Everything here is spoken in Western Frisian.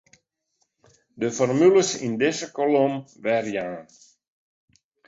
De formules yn dizze kolom werjaan.